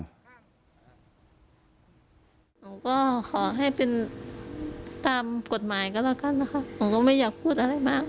หนูก็ขอให้เป็นตามกฎหมายก็แล้วกันนะคะหนูก็ไม่อยากพูดอะไรมาก